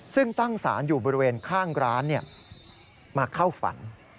ซึ่งตั้งสารอยู่บริเวณข้างร้านมาเข้าฝัน